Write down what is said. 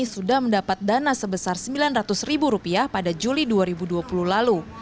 sudah mendapat dana sebesar rp sembilan ratus ribu rupiah pada juli dua ribu dua puluh lalu